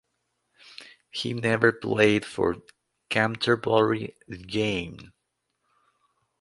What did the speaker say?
He never played for Canterbury again.